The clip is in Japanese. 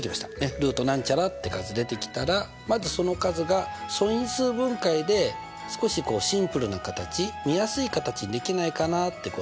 ルートなんちゃらって数出てきたらまずその数が素因数分解で少しシンプルな形見やすい形にできないかなってこと。